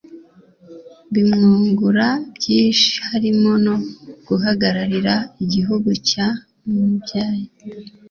bimwungura byinshi harimo no guhagararira igihugu cyamubyaye